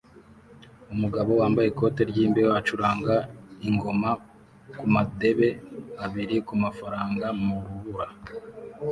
Umugabo wambaye ikote ryimbeho acuranga ingoma kumadebe abiri kumafaranga mu rubura